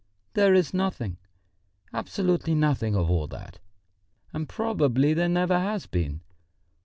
"There is nothing, absolutely nothing of all that, and probably there never has been.